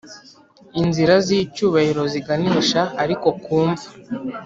inzira z'icyubahiro ziganisha ariko ku mva.